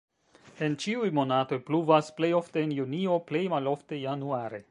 En ĉiuj monatoj pluvas, plej ofte en junio, plej malofte januare.